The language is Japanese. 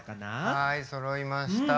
はいそろいました。